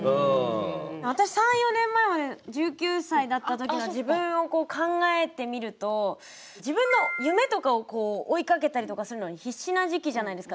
私、３４年前まで１９歳だった時の自分を考えてみると自分の夢とかを追い掛けたりとかするのに必死な時期じゃないですか。